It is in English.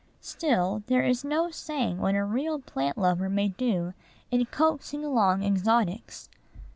Still there is no saying what a real plant lover may do in coaxing along exotics.